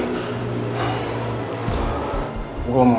tadi bibi bilang ke gue kalau dewi pingsan masuk rumah sakit